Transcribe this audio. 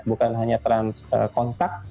bukan hanya transkontak